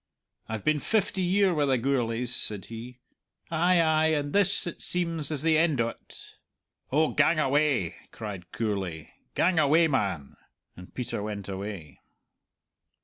"I've been fifty year wi' the Gourlays," said he. "Ay, ay; and this, it seems, is the end o't." "Oh, gang away!" cried Gourlay, "gang away, man!" And Peter went away.